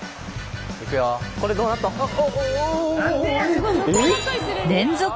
これどうなっとん？